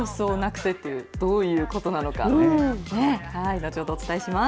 後ほど、詳しくお伝えします。